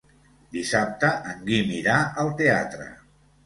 Dissabte en Guim irà al teatre.